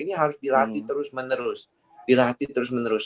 ini harus dilatih terus menerus